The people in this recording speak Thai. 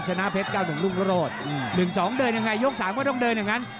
ชนะเพชรเก้าถึงรุ่งประโลธหนึ่งสองเดินยังไงยก๓ก็ต้องเดินอย่างนั้น